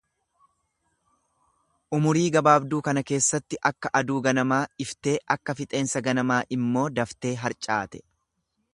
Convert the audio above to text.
Umurii gabaabduu kana keessatti akka aduu ganamaa iftee akka fixeensa ganamaa immoo daftee harcaate.